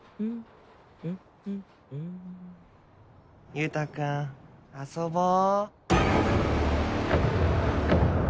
優太君遊ぼう。